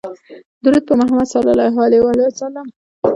درود په محمدﷺ